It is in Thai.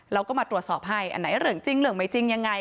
เราก็มาตรวจสอบให้อันไหนเรื่องจริงเรื่องไม่จริงยังไง